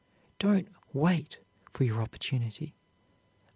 Don't wait for your opportunity.